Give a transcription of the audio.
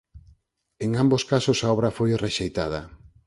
En ambos casos a obra foi rexeitada.